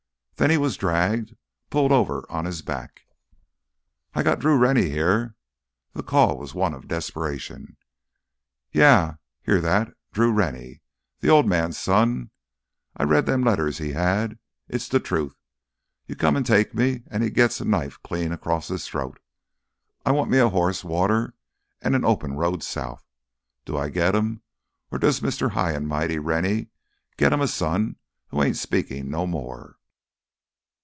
Then he was dragged, pulled over on his back. "I got Drew Rennie here." The call was one of desperation. "Yeah, hear that? Drew Rennie—th' Old Man's son.... I read them letters he had—it's th' truth! You come t' take me an' he gits a knife clean across his throat. I want me a hoss, water, an' an open road south. Do I git 'em—or does Mister High an' Mighty Rennie git him a son who ain't speakin' no more?"